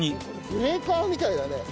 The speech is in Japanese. ブレーカーみたいだね。